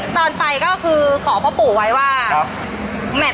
ตอนไปก็คือขอพ่อปู่ไว้ว่า